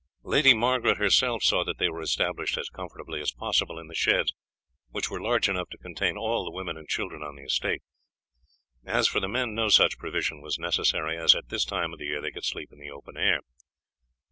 Lady Margaret herself saw that they were established as comfortably as possible in the sheds, which were large enough to contain all the women and children on the estate. As for the men, no such provision was necessary, as at this time of the year they could sleep in the open air.